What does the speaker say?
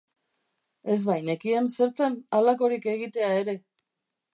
Ez bainekien zer zen halakorik egitea ere!